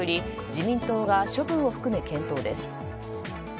自民党が処分を含め、検討です。